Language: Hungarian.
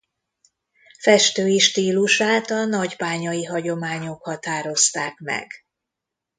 Festői stílusát a nagybányai hagyományok határozták meg.